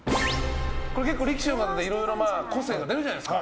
これ結構力士の方で個性が出るじゃないですか。